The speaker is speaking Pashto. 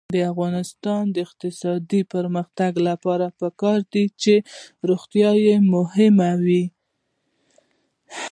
د افغانستان د اقتصادي پرمختګ لپاره پکار ده چې روغتیا مهمه وي.